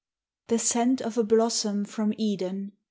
The scent of a blossom from Eden!